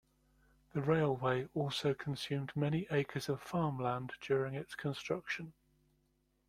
The railway also consumed many acres of farm land during its construction.